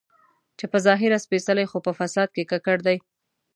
چې په ظاهره سپېڅلي خو په فساد کې ککړ دي.